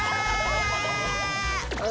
あ？